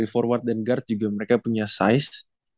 forward dan guard juga mereka punya size